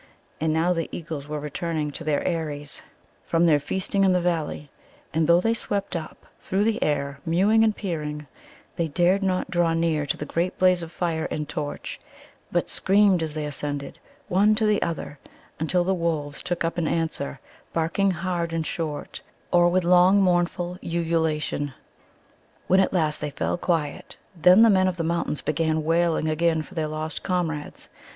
And now the eagles were returning to their eyries from their feasting in the valley, and though they swept up through the air mewing and peering, they dared not draw near to the great blaze of fire and torch, but screamed as they ascended, one to the other, until the wolves took up an answer, barking hard and short, or with long mournful ululation. When at last they fell quiet, then the Men of the Mountains began wailing again for their lost comrades.